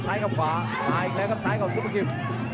ซ้ายขวามาอีกแล้วกับซ้ายของซุปเปอร์กิม